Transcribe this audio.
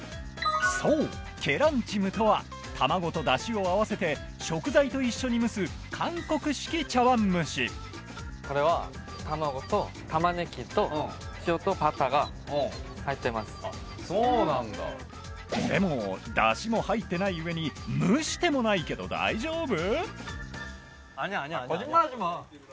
そうケランチムとは卵と出汁を合わせて食材と一緒に蒸す韓国式茶碗蒸しあっそうなんだでも出汁も入ってない上に蒸してもないけど大丈夫？